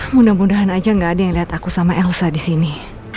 mudah mudahan aja gak ada yang liat aku sama elsa disini